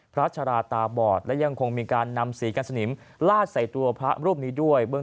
พระธราตาบอดหรือยังคงมีการนำศรีกันสนิมลาดใส่ตัวพระธรรมรูปนี้ด้วย